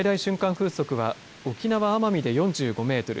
風速は沖縄・奄美で４５メートル